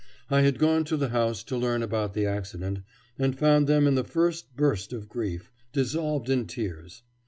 I had gone to the house to learn about the accident, and found them in the first burst of grief, dissolved in tears.